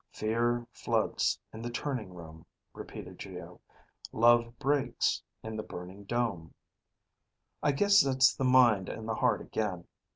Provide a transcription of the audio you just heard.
"Fear floods in the turning room," repeated Geo; "Love breaks in the burning dome. I guess that's the mind and the heart again.